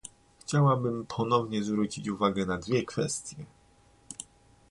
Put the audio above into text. Chciałabym ponownie zwrócić uwagę na dwie kwestie